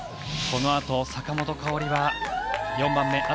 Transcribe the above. このあと坂本花織は４番目。